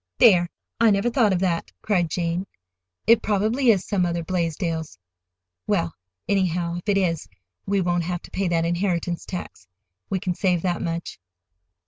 "There, I never thought of that," cried Jane. "It probably is some other Blaisdells. Well, anyhow, if it is, we won't have to pay that inheritance tax. We can save that much."